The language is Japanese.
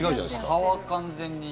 葉は完全に。